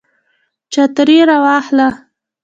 چترۍ را واخله